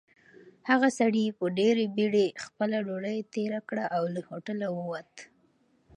هغه سړي په ډېرې بېړۍ خپله ډوډۍ تېره کړه او له هوټله ووت.